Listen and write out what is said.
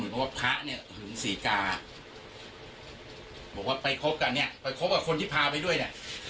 เพราะว่าพระเนี่ยหึงศรีกาบอกว่าไปคบกันเนี่ยไปคบกับคนที่พาไปด้วยเนี่ย